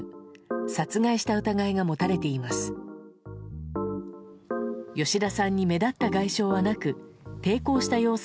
殺害した疑いが持たれています。